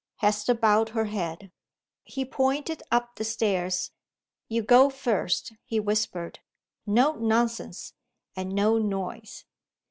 Hester bowed her head. He pointed up the stairs. "You go first," he whispered. "No nonsense! and no noise!"